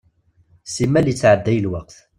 Simmal yettɛedday lweqt.